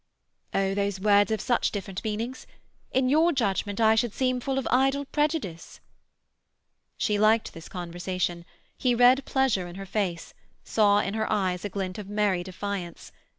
"Oh, those words have such different meanings. In your judgment I should seem full of idle prejudice." She liked this conversation; he read pleasure in her face, saw in her eyes a glint of merry defiance.